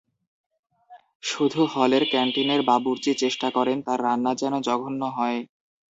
শুধু হলের ক্যানটিনের বাবুর্চি চেষ্টা করেন তাঁর রান্না যেন জঘন্য হয়।